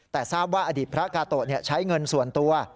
แต่ทราบว่าอดีตพระกาโตะใช้เงินส่วนตัว